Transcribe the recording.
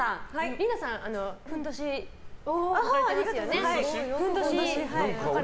リイナさん、ふんどしはかれてますよね。